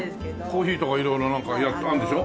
コーヒーとか色々なんかあるんでしょ？